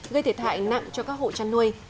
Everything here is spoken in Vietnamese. gây thiệt hại nặng cho các hộ chăn nuôi